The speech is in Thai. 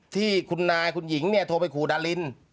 ที่คุณนายคุณหญิงเนี่ยโทรไปขู่ดาริน